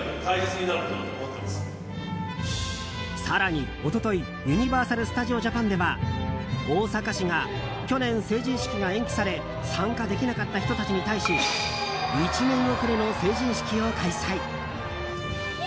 更に、一昨日ユニバーサル・スタジオ・ジャパンでは大阪市が去年成人式が延期され参加できなかった人たちに対し１年遅れの成人式を開催。